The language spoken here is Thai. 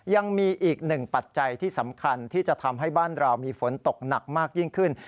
ยังมีอีกหนึ่งปัจจัยที่สำคัญที่จะทำให้บ้านเรามีฝนตกหนักมากยิ่งขึ้น